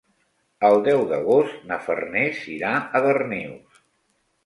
El deu d'agost na Farners irà a Darnius.